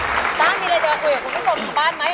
ต้านมีอะไรจะพูดกับคุณผู้ชมอยู่บ้านไหม